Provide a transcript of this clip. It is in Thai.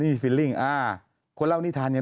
แต่ได้ยินจากคนอื่นแต่ได้ยินจากคนอื่น